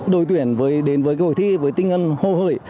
đội tuyển đến với hội thi với tinh ân hồ hời